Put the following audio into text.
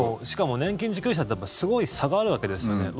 しかも、年金受給者ってすごい差があるわけですよね。